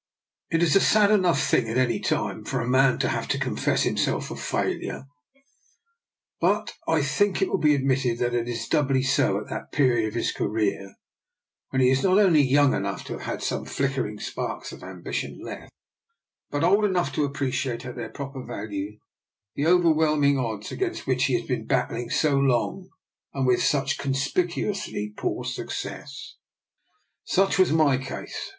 It is a sad enough thing at any time for a man to have to confess himself a failure, but I think it will be admitted that it is doubly so at that period of his career when he is not only young enough to have some flick ering sparks of ambition left, but old enough to appreciate at their proper value the over whelming odds against which he has been battling so long and with such conspicuously poor success. Such was my case.